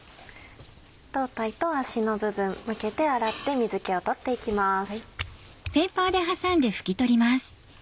胴体と足の部分むけて洗って水気を取って行きます。